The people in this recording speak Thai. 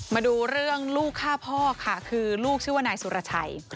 มาดูเรื่องลูกฆ่าพ่อค่ะคือลูกชื่อว่านายสุรชัย